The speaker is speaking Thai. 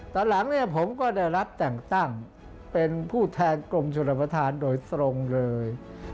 ตอนหลังเนี่ยผมก็ได้รับแต่งตั้งเป็นผู้แทนกรมชนประธานโดยตรงเลย